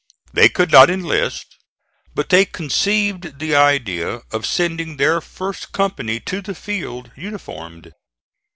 They could not enlist, but they conceived the idea of sending their first company to the field uniformed.